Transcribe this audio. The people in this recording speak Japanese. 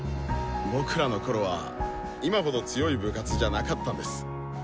僕らのころは今ほど強い部活じゃなかったんです。